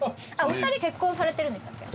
お二人結婚されてるんでした？